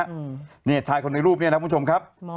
เทบมีแต่ชายทายคนในรูปเนี่ยนะฮะ